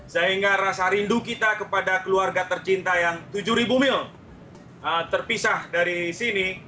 sehingga rasa rindu kita kepada keluarga tercinta yang tujuh ribu mil terpisah dari sini